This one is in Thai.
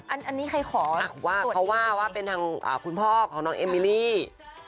อันนี้ใครขอตรวจดีเอก